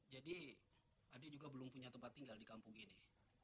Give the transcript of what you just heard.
ade juga belum punya tempat tinggal di kampung ini